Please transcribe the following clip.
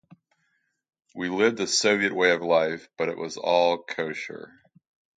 We lived a Soviet way of life, but it was all kosher.